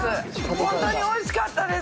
ホントに美味しかったです。